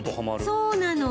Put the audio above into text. そうなの。